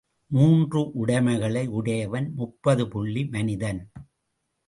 மூன்று உடைமைகளை உடையவன் முப்பது புள்ளி மனிதன்.